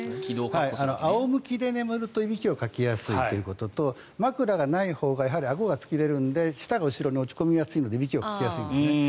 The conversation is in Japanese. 仰向けで眠るといびきをかきやすいということと枕がないほうがあごが突き出るので舌が後ろに落ち込みやすいのでいびきをかきやすいんですね。